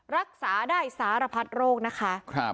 รักษาได้สารพัดโรคนะคะ